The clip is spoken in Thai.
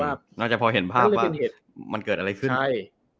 อ๋อคือว่าแค่พอเห็นภาพมันเสร็จมามันเกิดอะไรเราใช้